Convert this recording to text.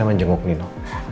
saya mau jenguk nino